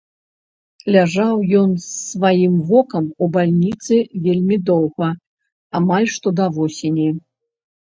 Ляжаў ён з сваім вокам у бальніцы вельмі доўга, амаль што да восені.